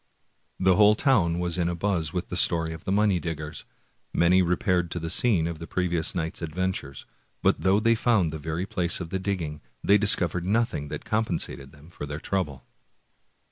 The whole town was in a buzz with the story of the money diggers. Many repaired to the scene of the previous night's adventures; but though they found the very place of the digging, they discovered nothing that compensated them for their trouble.